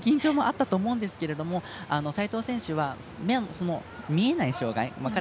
多分、緊張もあったと思うんですが齋藤選手は見えない障がい。